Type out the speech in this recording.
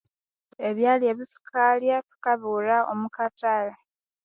Ebyalya ebithukalya thukabighulha omukathali